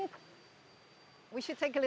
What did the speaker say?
kita harus berehat sedikit